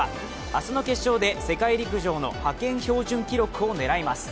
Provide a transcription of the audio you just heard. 明日の決勝で世界陸上の派遣標準記録を狙います。